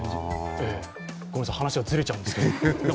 ごめんなさい、話がずれちゃうんですけれども。